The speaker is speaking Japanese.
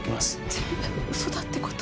全部嘘だってこと？